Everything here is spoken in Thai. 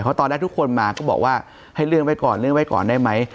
เพราะตอนแรกทุกคนมาก็บอกว่าให้เลื่อนไว้ก่อนเลื่อนไว้ก่อนได้ไหม